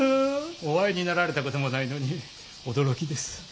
お会いになられたこともないのに驚きです。